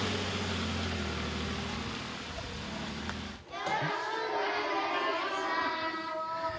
よろしくお願いします。